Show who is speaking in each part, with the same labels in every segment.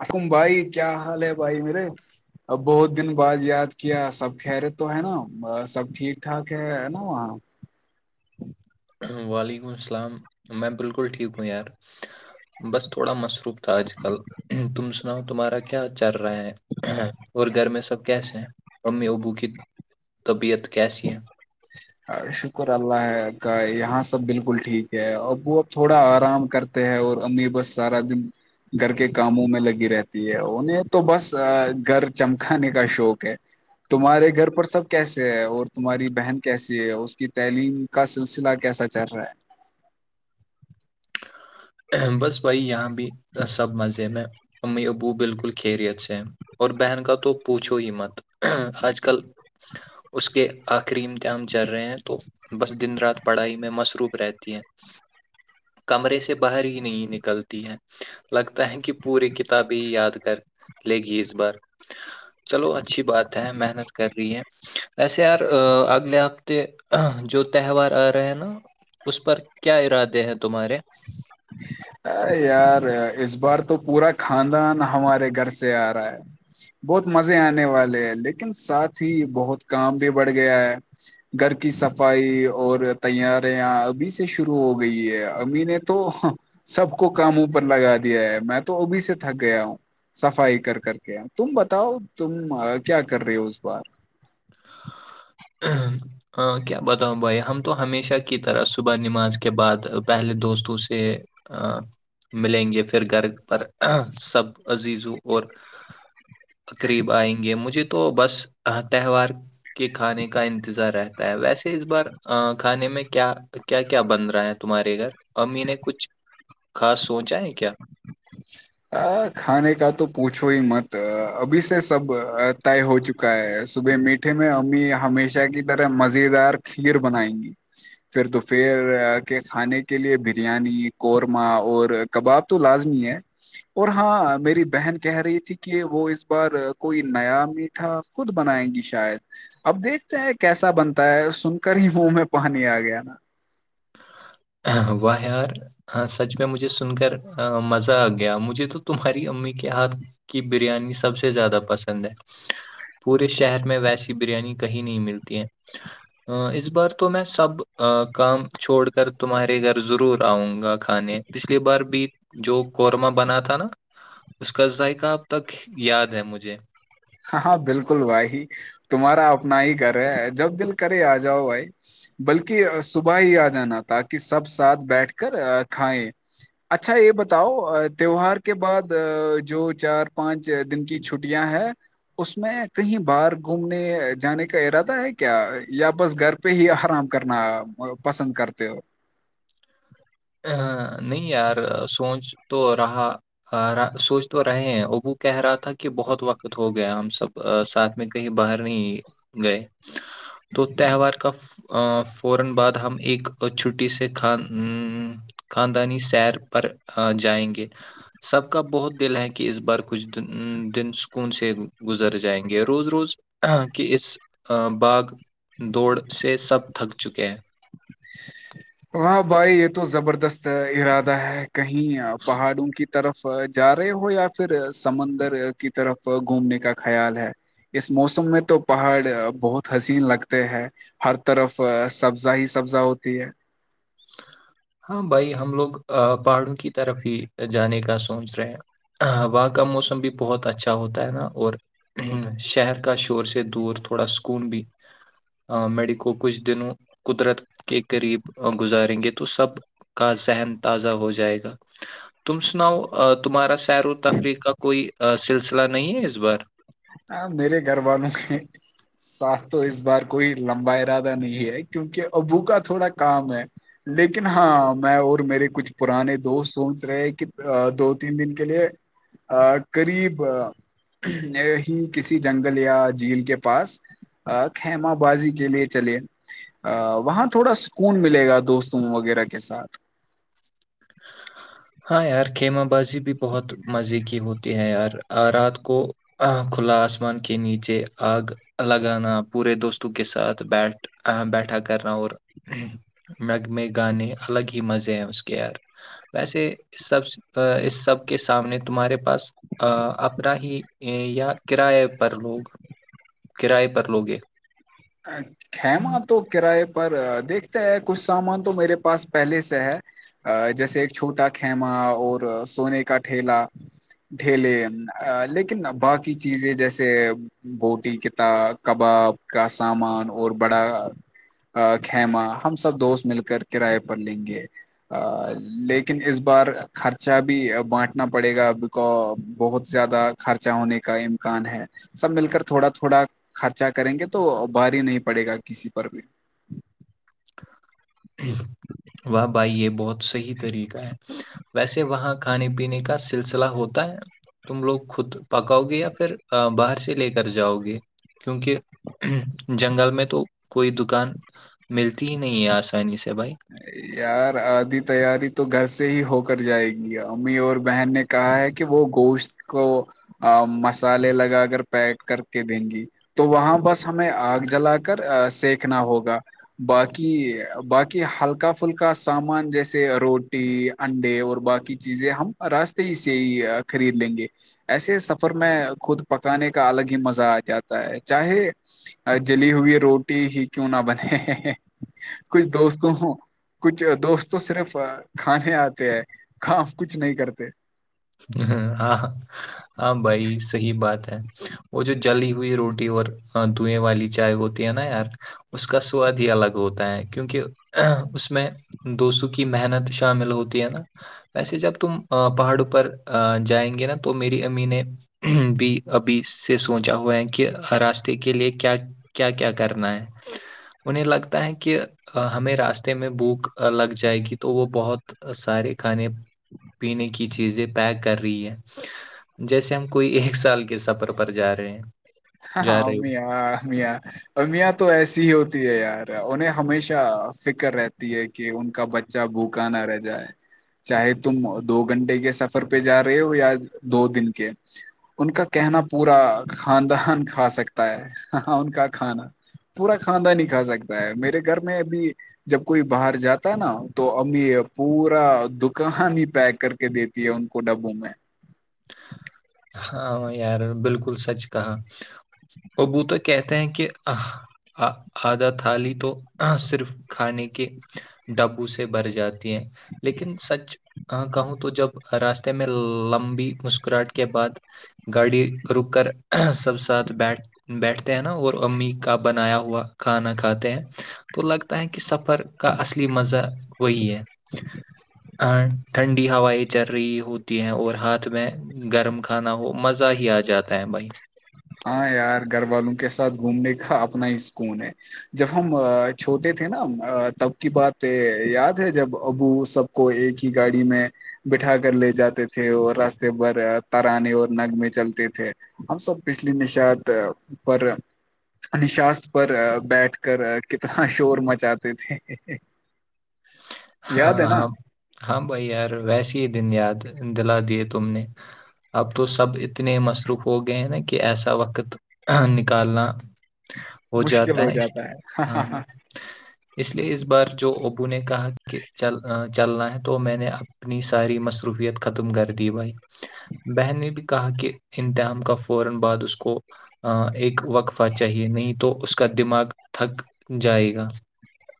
Speaker 1: حکم بھائی کیا حال ہے بھائی میرے ا بہت دن بعد یاد کیا سب خیرت تو ہے نا سب ٹھیک ٹھاک ہے ہے نا وہاں
Speaker 2: وعلیکم السلام میں بالکل ٹھیک ہوں یار بس تھوڑا مصروف تھا آج کل تم سناؤ تمہارا کیا کیا چل رہا ہیں اور گھر میں سب کیسے ہیں امی ابو کی طبیعت کیسی ہے
Speaker 1: [unintelligible] شکر اللہ کا یہاں سب بالکل ٹھیک ہے اب وہ اب تھوڑا آرام کر ہیں اور امی بس سارا دن گھر کے کاموں میں لگی رہتی ہے انہیں تو بس گھر چمکانے کا شوق ہے تمہارے گھر پر سب کیسے ہے اور تمہاری بہن کیسی ہے اس کی تعلیم کا سلسلہ کیسا چل رہا ہے
Speaker 2: بس بھائی یہاں بھی سب مزے میں امی ابو بالکل خیریت سے ہیں اور بہن کا تو پوچھو یہ مت آج کل اس کے آخری امتحان چل رہے ہیں تو بس دن رات پڑھائی میں مصروف رہتی ہیں کمرے سے باہر ہی نہیں نکلتی ہے لگتا ہے کہ پوری کتابیں یاد کر لے گی اس بار چلو اچھی بات ہے محنت کر رہی ہے ویسے یار اگلے ہفتے جو تہوار آ رہے ہیں نا اس پر کیا ارادے ہیں تمہارے
Speaker 1: اچ [inaudible] ا یار اس بار تو پورا خاندان ہمارے گھر سے آ رہا ہے بہت مزے آنے والے ہیں لیکن ساتھ ہی بہت کام بھی بڑھ گیا ہے گھر کی صفائی اور تیاریاں ابھی سے شروع ہو گئی ہے امین تو سب کو کاموںوپر لگا دیا ہے میں تو ابھی سے تھک گیا ہوں صفائی کر کر کے تم بتاؤ تم کیا کر رہی ہو اس بار
Speaker 2: ہ کیا بتاؤ بھائی ہم تو ہمیشہ کی طرح صبح نماز کے بعد پہلے دوستوں سے ملیں گے پھر گھر پر سب عزیزوں اور قریب آئیں گے مجھے تو بس تہوار کے کھانے کا انتظار رہتا ہے ویسے اس بار کھانے میں کیا کیا کیا بن رہا ہے تمہارے گھر امی نے کچھ خاص سوچا ہے کیا
Speaker 1: ا کھانان کا تو پوچھو ہی مت ابھی سے سب طے ہو چکا ہے صبح میٹھے میں امی ہمیشہ کی طرح مز دار کھیر بنائیں گی پھر دوپہر کے کھانے کے لیے بریانی قورمہ اور کباب تو لازمی ہے اور ہاں میری بہن کہہ رہی تھی کہ وہ اس بار کوئی نیا می خود بنائیں گی شاید اب دیکھتے ہیں کیسا بنتا ہے سن کر ہی منہ میں پانی آ گیا نا
Speaker 2: وہ یار ہاں سچ میں مجھے سن کر مزہ آ گیا مجھے تو تمہاری امی کے ہاتھ کی بریانی سب سے زیادہ پسند ہے پورے شہر میں ویسی بریانی کہیں نہیں ملتی ہے ا اس بار تو میں سب کام چھوڑ تمہارے گھر ضرور آؤں گا کھانے پچھلی بار بھی جو قورمہ بنا تھا نا اس کا ذائقہ اب تک یاد ہے مجھے
Speaker 1: ہاں بالکل بھائی تمہارا اپنا ہی گھر ہے جب دل کرے آ جاؤ بھائی بلکہ صبح ہی آ جانا تاکہ سب ساتھ بیٹھ کر کھائیں اچھا یہ بتاؤ تیوہار کے بعد جو چار پانچ دن کی چھٹیاں ہیں اس میں کہیں باہر گھومنے جانے کا ارادہ ہے کیا یا بس گھر پہ ہی آرام کرنا پسند کرتے ہو
Speaker 2: نہیں یار سوچ تو رہا ہاں سوچ تو رہے ہیں ابو کہہ رہا تھا کہ بہت وقت ہو گیا ہم سب ساتھ میں کہیں باہر نہیں گئے تو تہوار کا فورا بعد ہم ایک چھٹی سے کھان خاندانی سیر پر جائیں گے سب کا بہت دل ہے کہ اس بار کچھ دن سکون سے گزر جائیں گے روز روز ہ کہ اس باغ دوڑ سے سب تھک چکے ہیں
Speaker 1: ہاں بھائی یہ تو زبردست ارادہ ہے کہیں پہاڑوں کی طرف جا رہے ہو یا پھر سمندر کی طرف گھومنے کا خیال ہے اس موسم میں تو پہاڑ بہت حسین لگتے ہیں ہر طرف سبزا ہی سبزا ہوتی ہے
Speaker 2: ہاں بھائی ہم لوگ پہاڑوں کی طرف ہی جانے کا سوچ رہے ہیں وہاں کا موسم بھی بہت اچھا ہوتا ہے نا اور شہر کا شور سے دور تھوڑا سکون بھی میڈیکو کچھ دنوں قدرت کے قریب گزاریں گے تو سب کا ہن تازہ ہو جائے گا تم سناؤ تمہارا سیر و تفریح کا کوئی سلسلہ نہیں ہے اس بار
Speaker 1: ہاں میرے گھر والوں ہیں سس تو اس بار کوئی لمبا ارادہ نہیں ہے کیونکہ ابو کا تھوڑا کام ہے لیکن ہاں میں اور میرے کچھ پرانے دوست سوچ رہے کہ دو تین دن کے لیے ا قریب ہی کسی جنگل یا جھیل کے پاس خیم بازی کے لیے چلے ا وہاں تھوڑا سکون ملے گا دوستوں وغیرہ کے ساتھ
Speaker 2: ہاں یار خھییمہ بازی بھی بہت مزے کی ہوتی ہے یار آ رات کو کھلا آسمان کے نیچے آگ لگانا پورے دوستوں کے ساتھ بیٹھ بیٹھا کرنا اور اور مگ میں گانے الگ ہی مزے ہیں اس کےے یار ویسے سب اس سب کے سامنے تمہارے پاس ا اپراہی یا کراائے پر لوگ کراائے پر لوگے
Speaker 1: اچا [unintelligible] خیماں تو کراائے پر دیکھتا ہے کچھ سامان تو میرے پاس پہلے سے ہے جیسے ایک چھوٹا خیما اور سونے کا ٹھیلا ڈھیلے لیکن باقی چیزیں جیسے بوٹی کتا کباب کا سامان اور بڑا خیمہ ہم سب دوست مل کر کرائے پر لیں گے لیکن اس بار خرچہ بھی بانٹنا پڑے گا اب کا بہت زیادہ خرچہ ہونے کا امکان ہے سب مل کر تھوڑا تھوڑا خرچا کریں گے تو بار ہی نہیں پڑے گا کسی پر بھی
Speaker 2: واہ بھائی یہ بہت صحی طریقہ ہے ویسے وہاں کھانے پینے کا سلسلہ ہوتا ہے تم لوگ خود پکاؤ گے یا پھر باہر سے لے کر جاؤ گے کیونکہ جنگل میں تو کوئی دکان ملتی ہی نہیں ہے آسانی سے بس
Speaker 1: یار آدھی تیاری تو گھر سے ہی ہو کر جائے گی امی اور بہن نے کہا ہے کہ وہ گوشت کو مسالے لگا کر پیک کر کے دیں گی تو وہاں بس ہمیں آگ جلا کر سینکنا ہوگا باقی باقی کہ ہلکا پھلکا سامان جیسے روٹی انڈے اور باقی چیزیں ہم راستے ہی سے ہی خرید لیں گے ایسے سفر میں خود پکانے کا الگ ہی مزہ آ جاتا ہے چاہے جلی ہوئی روٹی ہی کیوں نہ بنے کچھ دوست تو کچھ دوستوں صرف کھانے آتے ہے کام کچھ نہیں کرتے
Speaker 2: ہاں ہاں بھائی صحی بات ہے وہ جو جلی ہوئی روٹی اور دوئیں والی چائے ہوتی ہے نا یار اس کا سواد ہی الگ ہوتا ہے کیونکہ اس میں دو سو کی محنت شامل ہوتی ہے نا ویسے جب تم پہاڑوں پر جائیں گے نا تو میری امی نے بھی ابھی سے سوچا ہوا ہے کہ راستے کے لیے کیا کیا کیا کرنا ہے انہیں لگتا ہے کہ ہمیں راستے میں بوک لگ جائے گی تو وہ بہت سارے کھانے پینے کی چیزیں پیک کر رہی ہے جیسے ہم کوئی ایک سال کے سفر پر جا رہے ہیں
Speaker 1: ایہ
Speaker 2: جا رہے ہو
Speaker 1: امیا امیاں تو ایسی ہی ہوتی ہے یار انہیں ہمیشہ فکر رہتی ہے کہ ان کا بچہ ج بوکا نہ رہ جائے چاہے تم دو گھنٹے کے سفر پہ جا رہے ہو یا دو دن کے ان کا کہنا پورا خاندان کھا سکتا ہے ہاں ان کا کھانا پورا خھاندان ہی کھا سکتا ہے میرے گھر میں اب جب کوئی باہر جاتا ہے نا تو امی پورا دکان ہی پیک کر کے دیتی ہے ان کو ڈبوں میں
Speaker 2: ہاں یار بالکل سچ کہا ابو تو کہتے ہیں کہ آدھا تھالی تو صرف کھانے کے ڈبو سے بر جاتا ہیں لیکن سچ ہ کہوں تو جب راستے میں لمبی مسکراہٹ کے کے بعد گاڑی رک کر سب ساتھ بیٹھ بیٹھتے ہیں نا اور امی کا بنایا ہوا کھانا کھاتے ہیں تو لگتا ہے کہ سب سفر کا اصلی مزہ وہی ہے اینڈ ٹھنڈی ہوائیں چل رہی ہوتی ہیں اور ہاتھ میں گرم کھانا ہو مزہ ہی آ جاتا ہے بھائی
Speaker 1: ہاں یار گھر والوں کے ساتھ گھومنے کا اپنا ہی سکون ہے جب ہم چھوٹے تھے نا تب کی بات یاد ہے جب ابو سب کو ایک ہی گاڑی میں بٹھا کر لے جاتے تھے اور راستے پر ترانے اور نگمے چلتے تھے ہم سب پچھلی نشات پرر نشاست پر بیٹھ کر کتنا شور مچاتے تھے
Speaker 2: ہاں
Speaker 1: یاد ہے نا
Speaker 2: ہاں ہاں بھائی یار ویسے ہی دن یاد دلا دیے تم نے اب تو سب اتنے مصروف ہو گئے ہیں نا کہ ایسا وقت نکالنا ہو جاتا ہے ہاں ہاں اس لیے اس بار جو اوبو نے کہا کہ کہ چل چلنا ہے تو میں نے اپنی ساری مصروفیت ختم کر دی بھائی بہن نے بھی کہا کہ اتحام کا فورا بعد اس کو ایک وقفہ چاہیے نہیں تو اس کا دماغ تھک جائے گا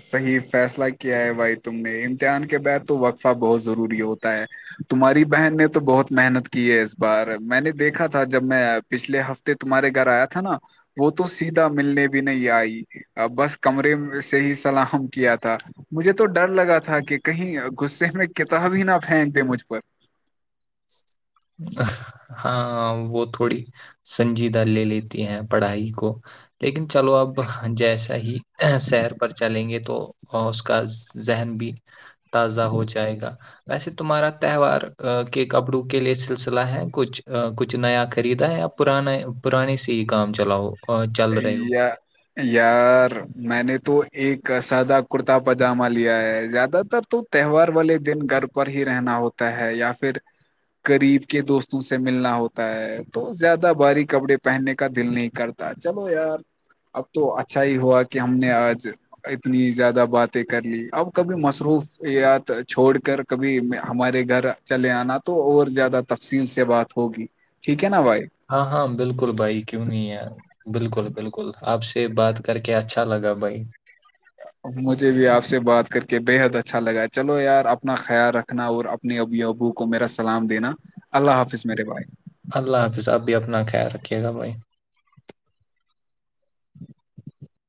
Speaker 1: صحیح فیصلہ کیا ہے بھائی تم نے امتحان کے بعد تو وقفہ بہت ضروری ہوتا ہے تمہاری بہن نے تو بہت محنت کی ہے اس بار میں نے دیکھا تھا جب میں پچھلے ہفتے تمہارے گھر آیا تھا نا وہ تو سیدھا ملنے بھی نہیں آئی بس کمرے سے ہی سلحم کیا تھا مجھے تو ڈر لگا تھا کہ کہیں غصے میں کتاب ہی نہ پھینک دے مجھ پر
Speaker 2: ہاں وہ تھوڑی سنجیدہ لے لیتی ہیں پڑھائی کو لیکن چلو اب جیسا ہی سیر پر چلیں گے تو اور اس کا ذہن بھی تازہ ہو جائے گا ویسے تمہارا تہوار کے کپڑوں کے لیے سلسلہ ہے کچھ کچھ نیا خریدا یا پرانا پرانانی سے ہی کام چلاؤ آ، چل رہے ہو
Speaker 1: ایا یار میں نے تو ایک سادہ کرتا پاجامہ لیا ہے زیادہ تر تو تہوار والے دن گھر پر ہی رہنا ہوتا ہے یا پھر غریب کے دوستوں سے ملنا ہوتا ہے تو زیادہ بھاری کپڑے پہننے کا دل نہیں کرتا چلو یار اب تو اچھا ہی ہوا کہ ہم نے آج اتنی زیادہ باتیں کر لی اب کبھی مصروف یات چھوڑ کر کبھی ہمارے گھر چلے آنا تو اور زیادہ تفصیل سے بات ہوگی ٹھیک ہے نا بھائی
Speaker 2: ہاں ہاں بالکل بھائی کیوں نہیں ہے بالکل بالکل آپ سے بات کر کے اچھا لگا بھائی
Speaker 1: مجھے بھی آپ سے بات کر کے بےحد اچھا لگا چلو یار اپنا خیال رکھنا اور اپنے ابی ابو کو میرا سلام دینا اللہ حافظ میرے بھائی
Speaker 2: اللہ حافظ اب بھی اپنا خیال رکھیے گا بھائی
Speaker 1: ج